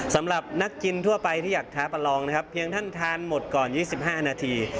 สำหรับนักกินทั่วไปที่อยากท้าประลองนะครับเพียงท่านทานหมดก่อน๒๕นาที